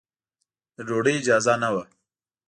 د ډوډۍ اجازه نه وه.